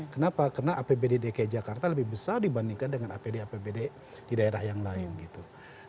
kenapa karena apbd dki jakarta lebih besar dibandingkan dengan apd apbd di daerah yang lain gitu